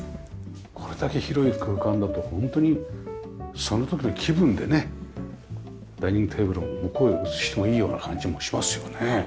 これだけ広い空間だとホントにその時の気分でねダイニングテーブルを向こうへ移してもいいような感じもしますよね。